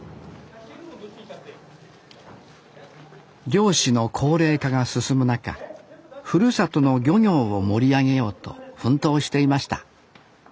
漁師の高齢化が進む中ふるさとの漁業を盛り上げようと奮闘していました